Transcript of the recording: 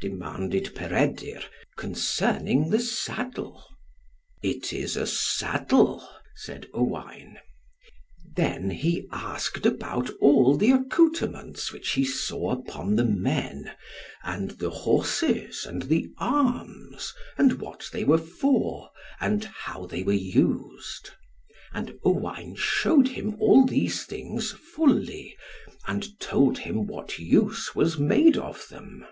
demanded Peredur, concerning the saddle. "It is a saddle," said Owain. Then he asked about all the accoutrements which he saw upon the men, and the horses, and the arms, and what they were for, and how they were used. And Owain shewed him all these things fully, and told him what use was made of them.